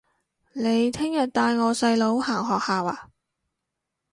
你聽日帶我細佬行學校吖